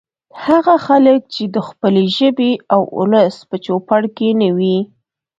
هغه خلک چې د خپلې ژبې او ولس په چوپړ کې نه وي